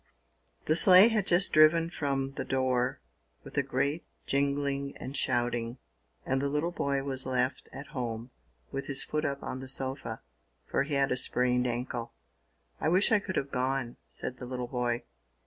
THE sleigh had just driven from the door, with a great jingling and shouting, and the little boy was left at home, with his foot up on the sofa, for he had a sprained ankle. "I wish I could have gone!" said the little boy.